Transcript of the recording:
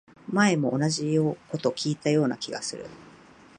前も同じこと聞いたような気がする